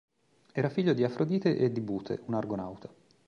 Era figlio di Afrodite e di Bute, un argonauta.